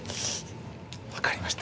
分かりました。